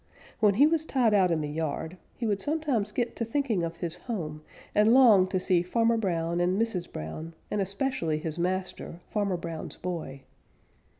When he was tied out in the yard, he would sometimes get to thinking of his home and long to see Farmer Brown and Mrs. Brown and especially his master, Farmer Brown's boy.